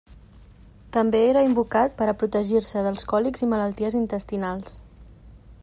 També era invocat per a protegir-se dels còlics i malalties intestinals.